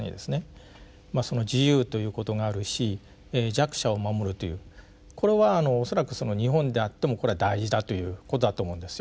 自由ということがあるし弱者を守るというこれは恐らく日本であってもこれは大事だということだと思うんですよ。